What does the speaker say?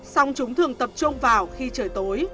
xong chúng thường tập trung vào khi trời tối